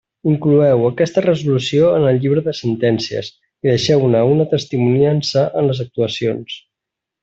Incloeu aquesta resolució en el llibre de sentències i deixeu-ne una testimoniança en les actuacions.